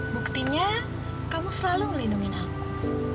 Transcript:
buktinya kamu selalu ngelindungi aku